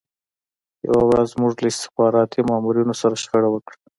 یوه ورځ موږ له استخباراتي مامورینو سره شخړه وکړه